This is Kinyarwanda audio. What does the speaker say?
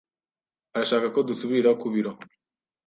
arashaka ko dusubira ku biro.